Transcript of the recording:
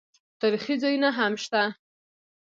تاریخي ځایونه هم شته.